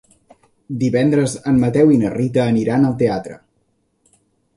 Divendres en Mateu i na Rita aniran al teatre.